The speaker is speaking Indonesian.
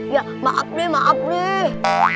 ya maap deh maap deh